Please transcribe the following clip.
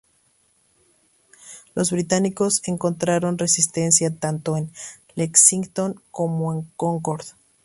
Los británicos encontraron resistencia tanto en Lexington como en Concord.